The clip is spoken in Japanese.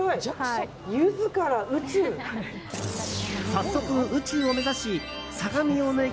早速、宇宙を目指し相模大野駅